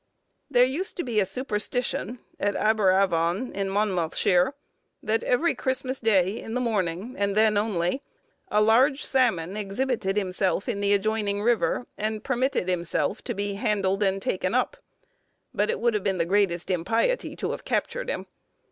There used to be a superstition at Aberavon, in Monmouthshire, that every Christmas Day, in the morning, and then only, a large salmon exhibited himself in the adjoining river, and permitted himself to be handled and taken up, but it would have been the greatest impiety to have captured him.